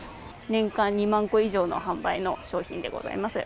年間２万個以上の販売の商品でございます。